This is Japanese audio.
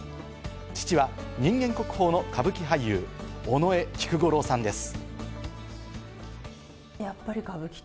父は人間国宝の歌舞伎俳優・尾上菊五郎さんです。